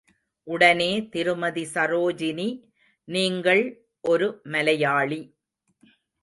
உடனே திருமதி சரோஜினி, நீங்கள் ஒரு மலையாளி.